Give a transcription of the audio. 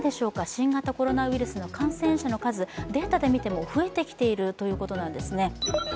新型コロナウイルスの感染者の数、データで見ても増えてきているということなんですね。